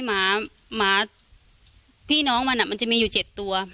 ตัวอื่นในหมาพี่น้องมันมันจะมีอยู่๗ตัว